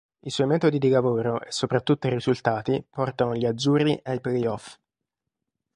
I suoi metodi di lavoro, e soprattutto i risultati portano gli azzurri ai play-off.